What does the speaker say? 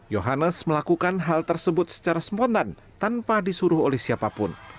yohannes melakukan hal tersebut secara spontan tanpa disuruh oleh siapapun